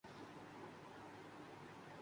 لاہور کے لوگ مہمان نواز ہیں